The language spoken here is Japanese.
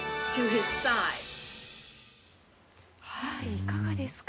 いかがですか。